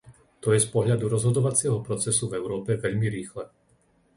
To je z pohľadu rozhodovacieho procesu v Európe veľmi rýchle.